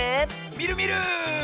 みるみる！